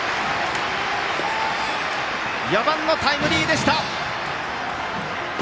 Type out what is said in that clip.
４番のタイムリーでした！